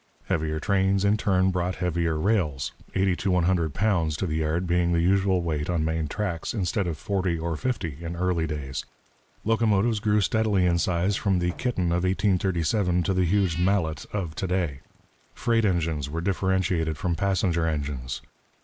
Heavier trains in turn brought heavier rails, eighty to one hundred pounds to the yard being the usual weight on main tracks, instead of forty or fifty in early days. Locomotives grew steadily in size from the Kitten of 1837 to the huge Mallet of to day. Freight engines were differentiated from passenger engines.